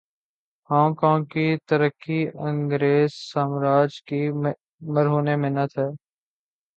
Hong Kong ترقی انگریز سامراج کی مرہون منت رہی۔